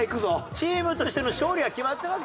チームとしての勝利は決まってます